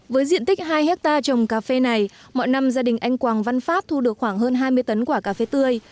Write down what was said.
với diện tích hai hectare trồng cà phê này mọi năm gia đình anh quảng văn phát thu được khoảng hơn hai mươi tấn quả cà phê tươi